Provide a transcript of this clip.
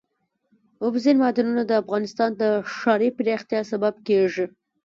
اوبزین معدنونه د افغانستان د ښاري پراختیا سبب کېږي.